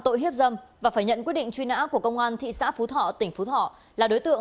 tội hiếp dâm và phải nhận quyết định truy nã của công an thị xã phú thọ tỉnh phú thọ là đối tượng